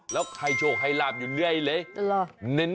แล้วใครโชคให้ลาบอยู่เรื่อยเลย